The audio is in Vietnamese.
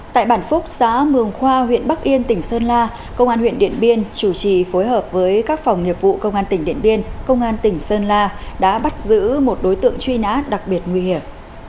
tại bản phúc xã mường khoa huyện bắc yên tỉnh sơn la công an huyện điện biên chủ trì phối hợp với các phòng nghiệp vụ công an tỉnh điện biên công an tỉnh sơn la đã bắt giữ một đối tượng truy nã đặc biệt nguy hiểm